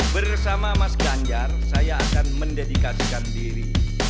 bersama mas ganjar saya akan mendedikasikan diri